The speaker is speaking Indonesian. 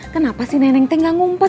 kenapa si neneng teh gak ngumpet